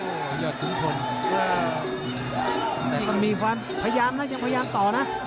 โอ้ยอดทุกคนแต่ต้องมีฟันพยายามนะยังพยายามต่อนะ